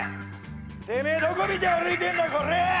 てめえどこ見て歩いてんだこらぁ！